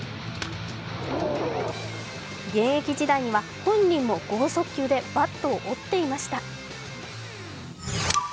現役時代には本人も剛速球でバッドを折っていました。